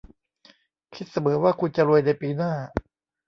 คิดเสมอว่าคุณจะรวยในปีหน้า